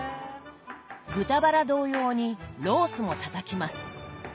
豚バラ同様にロースもたたきます。